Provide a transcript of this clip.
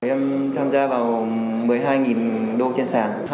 em tham gia vào một mươi hai đô trên sàn